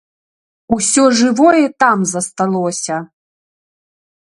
Усё жывое там засталося.